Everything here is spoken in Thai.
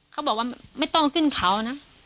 เขาบอกว่าไม่ต้องขึ้นเขานะ